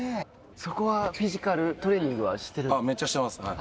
そこはフィジカルトレーニングはしてるんですか。